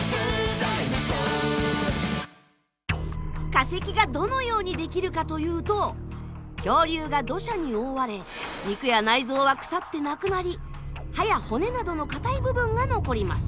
化石がどのようにできるかというと恐竜が土砂に覆われ肉や内臓は腐ってなくなり歯や骨などの硬い部分が残ります。